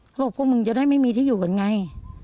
เขาบอกว่าพวกมึงจะได้ไม่มีที่อยู่กันไง